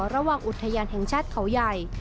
ระหว่างอุทยานแห่งชาติเขาใหญ่